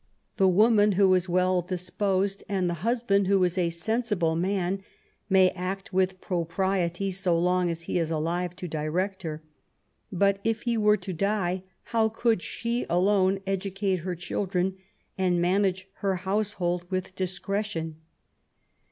The woman who is well disposed, and whose husband is a 92 MABY W0LL8T0NECBAFT GODWIN. sensible man, may act with propriety so long as he i* alive to direct her. But if he were to die how could she alone educate her children and maiiage her house* hold with discretion